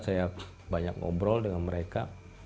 saya banyak ngobrol dengan mereka